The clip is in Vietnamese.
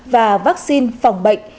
và vaccine phòng bệnh